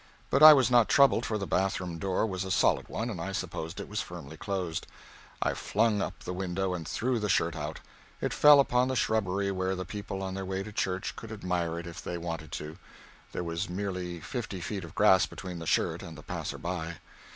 But I was not troubled, for the bath room door was a solid one and I supposed it was firmly closed. I flung up the window and threw the shirt out. It fell upon the shrubbery where the people on their way to church could admire it if they wanted to; there was merely fifty feet of grass between the shirt and the passer by.